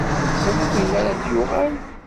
Teẓriḍ melmi ara d-yuɣal?